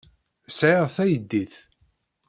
Sɛiɣ taydit.